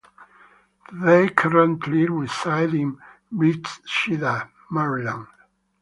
They currently reside in Bethesda, Maryland.